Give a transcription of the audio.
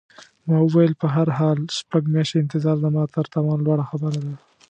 ما وویل: په هر حال، شپږ میاشتې انتظار زما تر توان لوړه خبره ده.